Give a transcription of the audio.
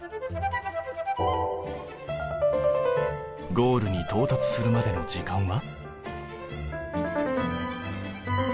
ゴールに到達するまでの時間は？